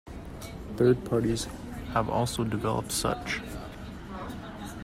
Third parties have also developed such.